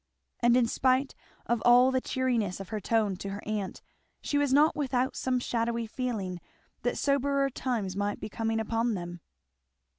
And in spite of all the cheeriness of her tone to her aunt, she was not without some shadowy feeling that soberer times might be coming upon them.